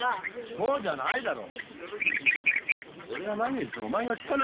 そうじゃないだろ。